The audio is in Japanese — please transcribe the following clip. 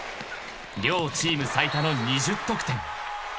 ［両チーム最多の２０得点］